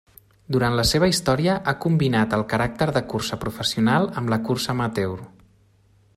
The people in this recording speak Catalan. Durant la seva història ha combinat el caràcter de cursa professional amb la cursa amateur.